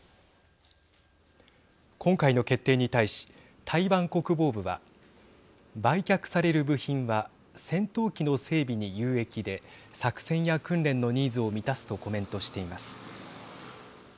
今回の決定に対し台湾国防部は売却される部品は戦闘機の整備に有益で作戦や訓練のニーズを満たすとコメントしています。